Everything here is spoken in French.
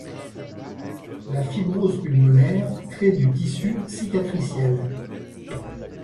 La fibrose pulmonaire crée du tissu cicatriciel.